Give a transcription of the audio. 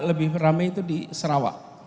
lebih ramai itu di sarawak